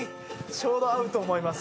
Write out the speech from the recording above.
ちょうど合うと思います。